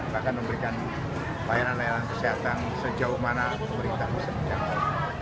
bahkan memberikan layanan layanan kesehatan sejauh mana pemerintah bisa mencapai